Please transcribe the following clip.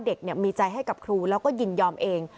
เด็กมีใจให้กับครูแล้วก็ยินยอมเอง